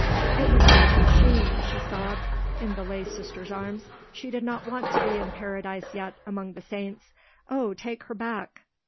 "It was all too sheen," she sobbed, in the lay sister's arms; "she did not want to be in Paradise yet, among the saints! O! take her back!